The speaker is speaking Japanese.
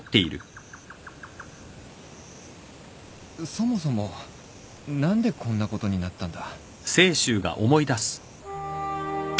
そもそも何でこんなことになったんだ？